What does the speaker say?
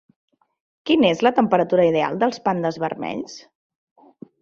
Quina és la temperatura ideal dels pandes vermells?